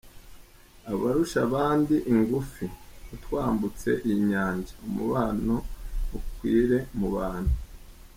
Abarusha abandi ingufu, mutwambutse iyi nyanja, umubano ukwire mu bantu….”